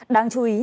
đáng chú ý